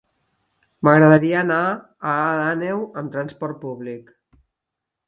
M'agradaria anar a Alt Àneu amb trasport públic.